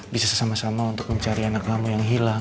bisa sesama sama untuk mencari anak nama yang hilang